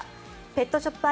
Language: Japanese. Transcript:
ペットショップ